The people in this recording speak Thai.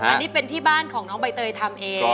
อันนี้เป็นที่บ้านของน้องใบเตยทำเอง